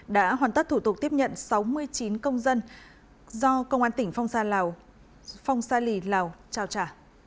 đã hoàn tất thủ tục tiếp nhận sáu mươi chín công dân do công an tỉnh phong sa lì lào trao trả